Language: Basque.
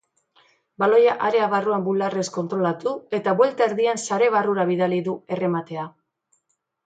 Baloia area barruan bularrez kontrolatu eta buelta erdian sare barrura bidali du errematea.